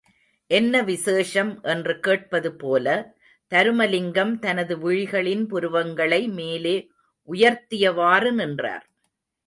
என்ன விசேஷம் என்று கேட்பது போல, தருமலிங்கம் தனது விழிகளின் புருவங்களை மேலே உயர்த்தியவாறு நின்றார்.